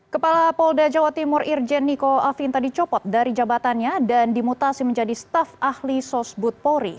kepala polda jawa timur irjen niko afinta dicopot dari jabatannya dan dimutasi menjadi staf ahli sosbud polri